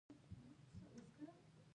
د افغانستان موقعیت د افغانستان طبعي ثروت دی.